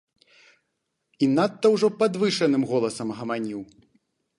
І надта ўжо падвышаным голасам гаманіў.